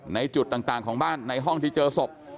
ในจุดต่างของบ้านในห้องที่เจอศพ